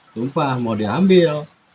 tumpah mau diambil